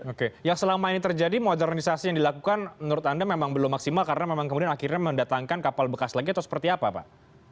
oke yang selama ini terjadi modernisasi yang dilakukan menurut anda memang belum maksimal karena memang kemudian akhirnya mendatangkan kapal bekas lagi atau seperti apa pak